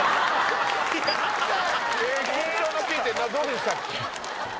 緊張の「緊」ってどうでしたっけ？